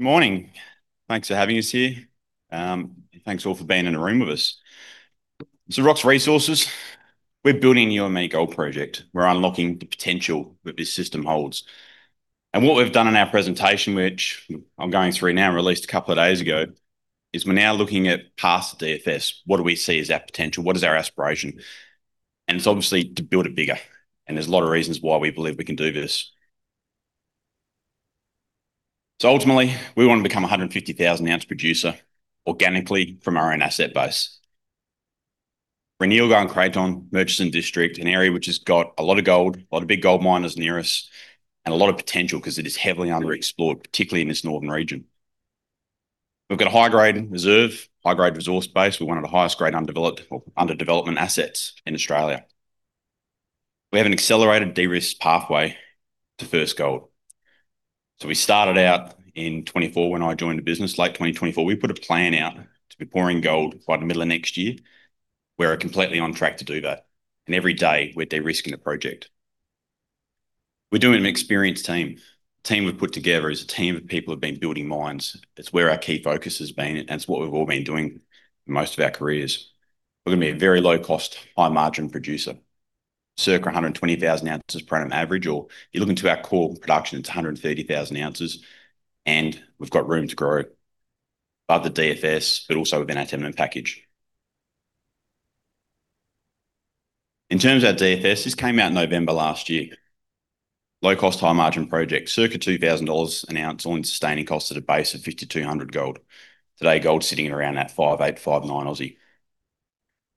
Good morning. Thanks for having us here. Thanks all for being in a room with us. Rox Resources, we're building a new and unique gold project. We're unlocking the potential that this system holds. What we've done in our presentation, which I'm going through now, and released a couple of days ago, is we're now looking at past DFS. What do we see as our potential? What is our aspiration? It's obviously to build it bigger, and there's a lot of reasons why we believe we can do this. Ultimately, we want to become a 150,000 oz producer organically from our own asset base. We're in Yilgarn Craton, Murchison district, an area which has got a lot of gold, a lot of big gold miners near us, and a lot of potential because it is heavily underexplored, particularly in this Northern region. We've got a high-grade reserve, high-grade resource base. We're one of the highest grade under development assets in Australia. We have an accelerated de-risk pathway to first gold. We started out in 2024, when I joined the business, late 2024. We put a plan out to be pouring gold by the middle of next year. We are completely on track to do that, and every day we're de-risking the project. We're doing an experienced team. The team we've put together is a team of people who have been building mines. It's where our key focus has been, and it's what we've all been doing for most of our careers. We're going to be a very low-cost, high-margin producer, circa 120,000 oz per annum average. If you're looking to our core production, it's 130,000 oz, and we've got room to grow above the DFS, but also within our tenement package. In terms of our DFS, this came out in November last year. Low cost, high margin project, circa 2,000 dollars an ounce, All-In Sustaining Costs at a base of 1,500 gold. Today, gold's sitting at around that 5,800, 5,900.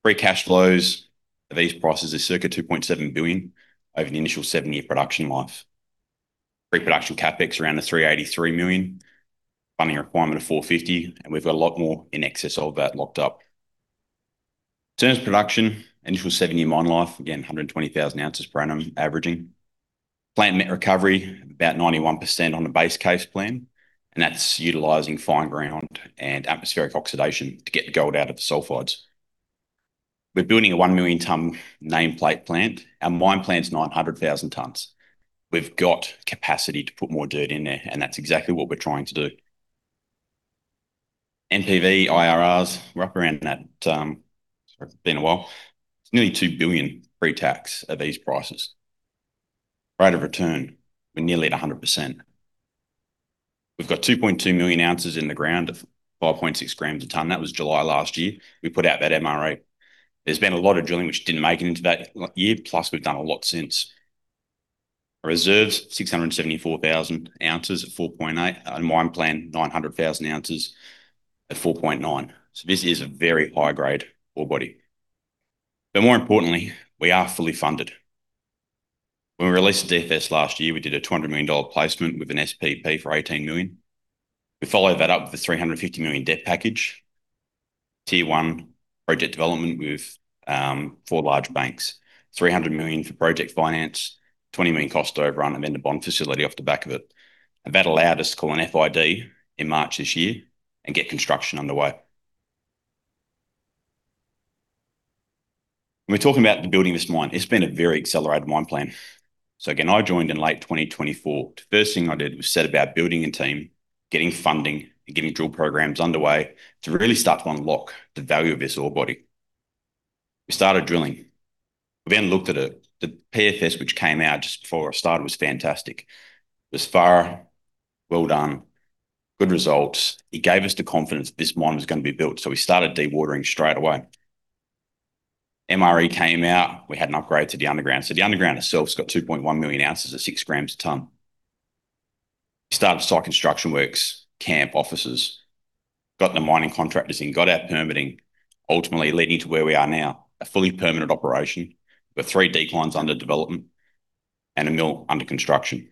Free cash flows at these prices is circa 2.7 billion over the initial seven-year production life. Pre-production CapEx around 383 million, funding requirement of 450, and we've got a lot more in excess of that locked up. In terms of production, initial seven-year mine life, again, 120,000 oz per annum averaging. Plant recovery, about 91% on a base case plan, and that's utilizing fine ground and atmospheric oxidation to get gold out of the sulfides. We're building a 1 million ton nameplate plant. Our mine plan's 900,000 tons. We've got capacity to put more dirt in there, and that's exactly what we're trying to do. NPV, IRRs, we're up around that. Sorry, it's been a while. It's nearly 2 billion pre-tax at these prices. Rate of return, we're nearly at 100%. We've got 2.2 million oz in the ground at 5.6 g a ton. That was July last year we put out that MRE. There's been a lot of drilling which didn't make it into that year, plus we've done a lot since. Reserves, 674,000 oz at 4.8. Our mine plan, 900,000 oz at 4.9. This is a very high-grade ore body. More importantly, we are fully funded. When we released the DFS last year, we did a 200 million dollar placement with an SPP for 18 million. We followed that up with an 350 million debt package, Tier 1 project development with four large banks, 300 million for project finance, 20 million cost to overrun, then the bond facility off the back of it. That allowed us to call an FID in March this year and get construction underway. When we're talking about the building of this mine, it's been a very accelerated mine plan. Again, I joined in late 2024. The first thing I did was set about building a team, getting funding, and getting drill programs underway to really start to unlock the value of this ore body. We started drilling. We then looked at it. The PFS, which came out just before I started, was fantastic. It was thorough, well done, good results. It gave us the confidence that this mine was going to be built. We started dewatering straight away. MRE came out. We had an upgrade to the underground. The underground itself got 2.1 million ounces at 6 g a ton. We started site construction works, camp, offices, got the mining contractors in, got our permitting, ultimately leading to where we are now, a fully permanent operation with three declines under development and a mill under construction.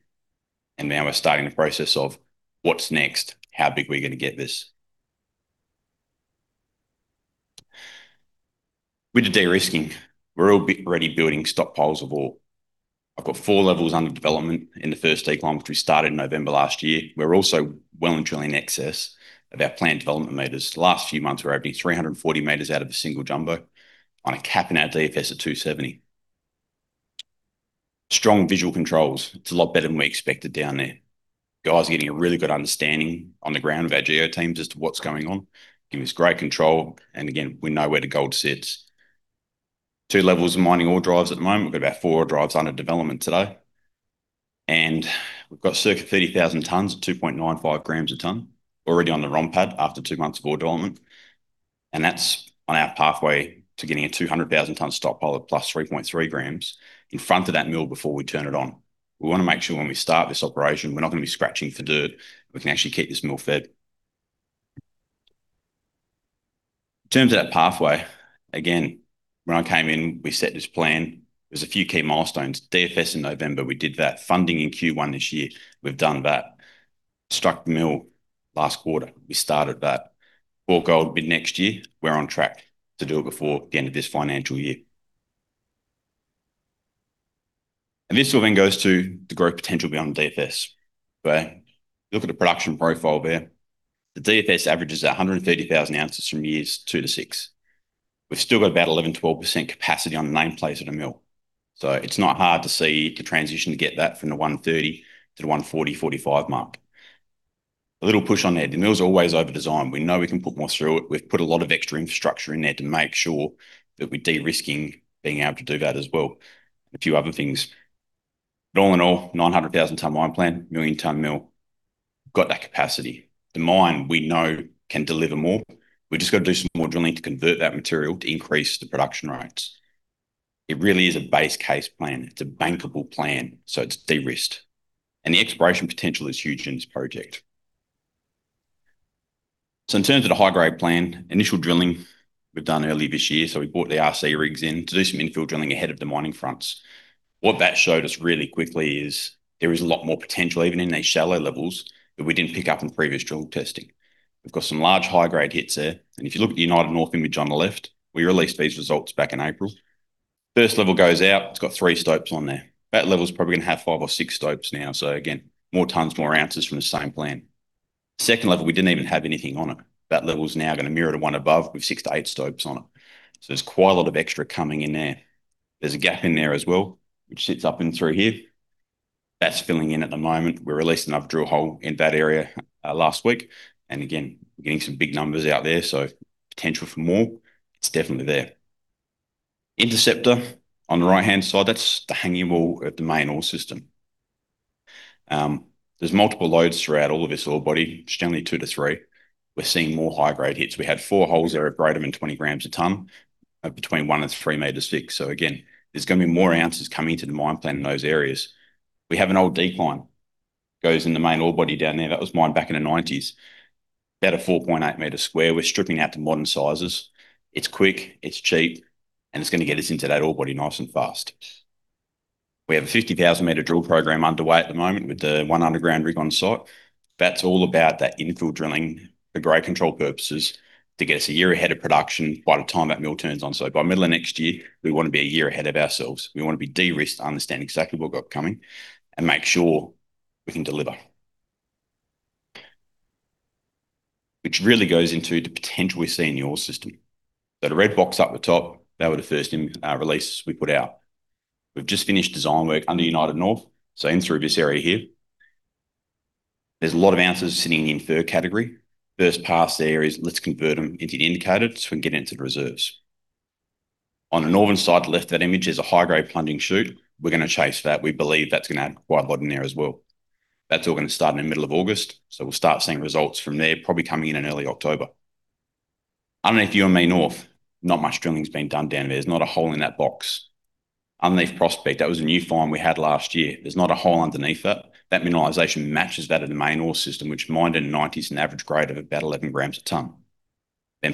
Now we're starting the process of what's next? How big are we going to get this? With the de-risking, we're already building stockpiles of ore. I've got four levels under development in the first decline, which we started in November last year. We're also well in drilling excess of our plant development meters. The last few months, we're averaging 340 m out of a single jumbo on a CapEx in our DFS at 270. Strong visual controls. It's a lot better than we expected down there. Guys are getting a really good understanding on the ground of our geo teams as to what's going on. Giving us great control, again, we know where the gold sits. Two levels of mining ore drives at the moment. We've got about four ore drives under development today. We've got circa 30,000 tons at 2.95 g a ton already on the ROM pad after two months of ore development. That's on our pathway to getting a 200,000-ton stockpile at +3.3 g in front of that mill before we turn it on. We want to make sure when we start this operation, we're not going to be scratching for dirt and we can actually keep this mill fed. In terms of that pathway, again, when I came in, we set this plan. There were a few key milestones. DFS in November, we did that. Funding in Q1 this year, we've done that. Struck the mill last quarter, we started that. Pour gold mid-next year. We're on track to do it before the end of this financial year. This all then goes to the growth potential beyond the DFS. If you look at the production profile there, the DFS averages 130,000 oz from years two to six. We've still got about 11%-12% capacity on the nameplates at a mill. It's not hard to see the transition to get that from the 130 to the 140-145 mark. A little push on that. The mill's always overdesigned. We know we can put more through it. We've put a lot of extra infrastructure in there to make sure that we're de-risking being able to do that as well. A few other things. All in all, 900,000 ton mine plan, million ton mill, got that capacity. The mine we know can deliver more. We've just got to do some more drilling to convert that material to increase the production rates. It really is a base case plan. It's a bankable plan. It's de-risked. The exploration potential is huge in this project. In terms of the high-grade plan, initial drilling we've done earlier this year. We brought the RC rigs in to do some infill drilling ahead of the mining fronts. What that showed us really quickly is there is a lot more potential, even in these shallow levels, that we didn't pick up in previous drill testing. We've got some large high-grade hits there. If you look at the Youanmi North image on the left, we released these results back in April. First level goes out, it's got three stopes on there. That level's probably going to have five or six stopes now. Again, more tons, more ounces from the same plan. Second level, we didn't even have anything on it. That level's now going to mirror the one above with six to eight stopes on it. There's quite a lot of extra coming in there. There's a gap in there as well, which sits up in through here. That's filling in at the moment. We released another drill hole in that area, last week. Again, we're getting some big numbers out there, potential for more. It's definitely there. Interceptor on the right-hand side, that's the hanging wall of the main ore system. There's multiple lodes throughout all of this ore body. It's generally two to three. We're seeing more high-grade hits. We had four holes there of greater than 20 g a ton, between one and 3 m thick. Again, there's going to be more ounces coming to the mine plan in those areas. We have an old decline, goes in the main ore body down there. That was mined back in the 1990s. About a 4.8-m square. We're stripping out to modern sizes. It's quick, it's cheap, it's going to get us into that ore body nice and fast. We have a 50,000-m drill program underway at the moment with the one underground rig on-site. That's all about that infill drilling for grade control purposes to get us a year ahead of production by the time that mill turns on. By middle of next year, we want to be a year ahead of ourselves. We want to be de-risked to understand exactly what we've got coming and make sure we can deliver. Really goes into the potential we see in the ore system. The red box up the top, they were the first release we put out. We've just finished design work under Youanmi North, in through this area here. There's a lot of ounces sitting in inferred category. First pass there is let's convert them into the indicated so we can get into the reserves. On the northern side, left, that image is a high-grade plunging shoot. We're going to chase that. We believe that's going to add quite a lot in there as well. We'll start seeing results from there probably coming in in early October. Underneath Youanmi North, not much drilling's been done down there. There's not a hole in that box. Underneath Prospect, that was a new find we had last year. There's not a hole underneath it. That mineralization matches that of the main ore system, which mined in the 1990s, an average grade of about 11 g a ton.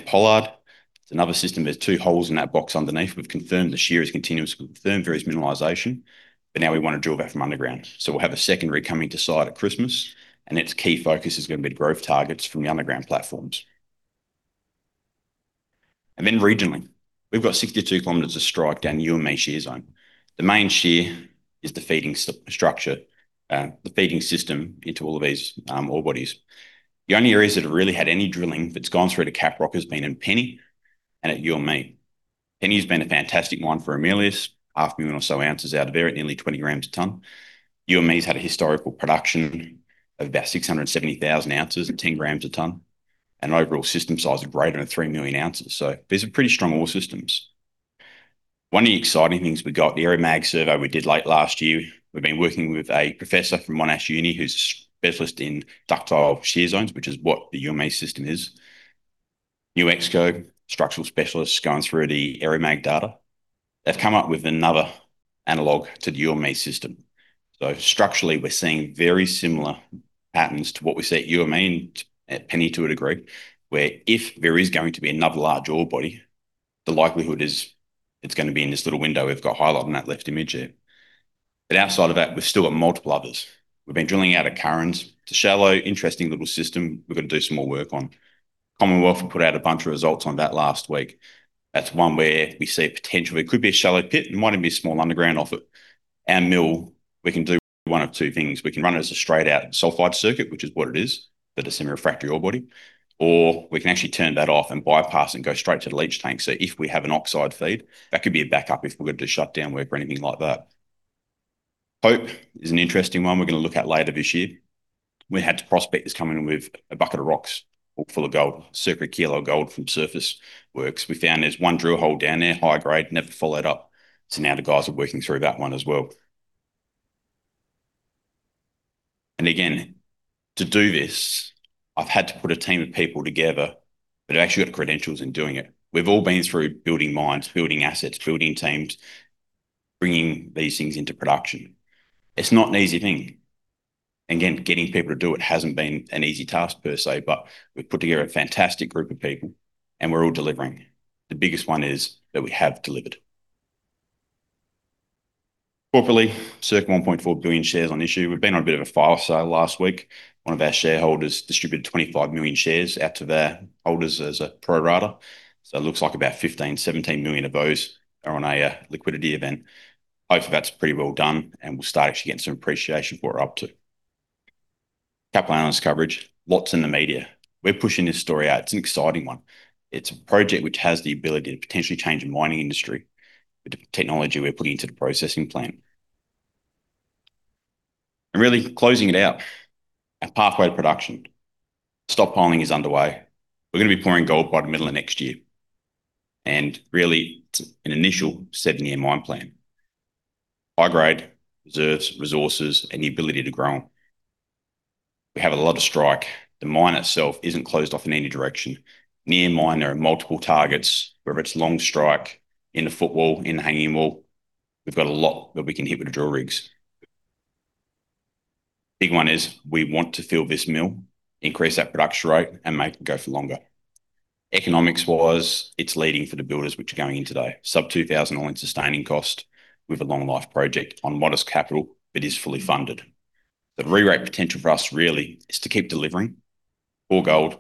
Pollard. It's another system. There's two holes in that box underneath. We've confirmed the shear is continuous. We've confirmed there is mineralization. Now we want to drill that from underground. We'll have a secondary coming to site at Christmas, and its key focus is going to be the growth targets from the underground platforms. Regionally. We've got 62 km of strike down the Youanmi Shear Zone. The main shear is the feeding structure, the feeding system into all of these ore bodies. The only areas that have really had any drilling that's gone through to cap rock has been in Penny and at Youanmi. Penny's been a fantastic mine for Ramelius. Half a million or so ounces out of there at nearly 20 g a ton. Youanmi's had a historical production of about 670,000 oz at 10 g a ton, an overall system size of greater than 3 million oz. These are pretty strong ore systems. One of the exciting things we got, the AeroMag survey we did late last year. We've been working with a professor from Monash Uni who's a specialist in ductile shear zones, which is what the Youanmi system is. Newexco, structural specialists, gone through the AeroMag data. They've come up with another analog to the Youanmi system. Structurally, we're seeing very similar patterns to what we see at Youanmi and at Penny to a degree, where if there is going to be another large ore body, the likelihood is it's going to be in this little window we've got highlighted in that left image there. Outside of that, we've still got multiple others. We've been drilling out at Currans. It's a shallow, interesting little system we're going to do some more work on. Commonwealth put out a bunch of results on that last week. That's one where we see a potential. It could be a shallow pit. It might even be a small underground off it. Our mill, we can do one of two things. We can run it as a straight out sulfide circuit, which is what it is, the disseminated refractory ore body, or we can actually turn that off and bypass and go straight to the leach tank. If we have an oxide feed, that could be a backup if we're going to do shutdown work or anything like that. Hope is an interesting one we're going to look at later this year. We had prospectors come in with a bucket of rocks all full of gold. Super kilo gold from surface works. We found there's one drill hole down there, high grade, never followed up. Now the guys are working through that one as well. Again, to do this, I've had to put a team of people together that have actually got credentials in doing it. We've all been through building mines, building assets, building teams, bringing these things into production. It's not an easy thing. Again, getting people to do it hasn't been an easy task per se, but we've put together a fantastic group of people, and we're all delivering. The biggest one is that we have delivered. Corporately, circ 1.4 billion shares on issue. We've been on a bit of a fire sale the last week. One of our shareholders distributed 25 million shares out to their holders as a pro rata. It looks like about 15 million-17 million of those are on a liquidity event. Hopefully, that's pretty well done, and we'll start actually getting some appreciation for what we're up to. Capital analyst coverage. Lots in the media. We're pushing this story out. It's an exciting one. It's a project which has the ability to potentially change the mining industry with the technology we're putting into the processing plant. Really closing it out. Our pathway to production. Stockpiling is underway. We're going to be pouring gold by the middle of next year. Really, it's an initial seven-year mine plan. High grade, reserves, resources, and the ability to grow them. We have a lot of strike. The mine itself isn't closed off in any direction. Near mine, there are multiple targets, whether it's long strike, in the footwall, in the hanging wall. We've got a lot that we can hit with the drill rigs. Big one is we want to fill this mill, increase that production rate, and make it go for longer. Economics-wise, it's leading for the builders which are going in today. Sub 2,000 all-in sustaining cost with a long life project on modest capital but is fully funded. The rerate potential for us really is to keep delivering more gold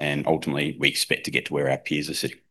and ultimately, we expect to get to where our peers are sitting. Thanks.